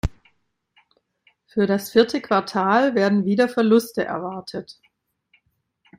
Für das vierte Quartal werden wieder Verluste erwartet.